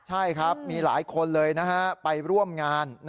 ใช่ครับมีหลายคนเลยไปร่วมงาน